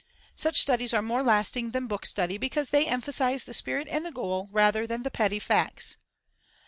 Such studies are more lasting than book study because they emphasize the spirit and the goal rather than the petty facts.